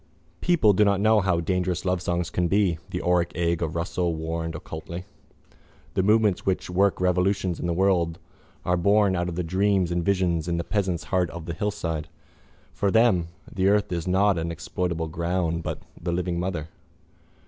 —People do not know how dangerous lovesongs can be, the auric egg of Russell warned occultly. The movements which work revolutions in the world are born out of the dreams and visions in a peasant's heart on the hillside. For them the earth is not an exploitable ground but the living mother.